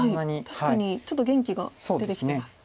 確かにちょっと元気が出てきてます。